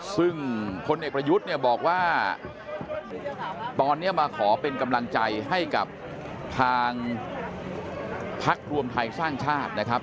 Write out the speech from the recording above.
ซึ่งพลเอกประยุทธ์เนี่ยบอกว่าตอนนี้มาขอเป็นกำลังใจให้กับทางพักรวมไทยสร้างชาตินะครับ